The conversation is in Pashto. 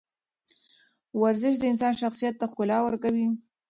ورزش د انسان شخصیت ته ښکلا ورکوي.